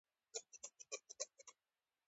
يو يو کور او محلې ته ورتلو او هغوی ته به ئي